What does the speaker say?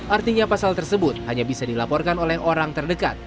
artinya pasal tersebut hanya bisa dilaporkan oleh orang terdekat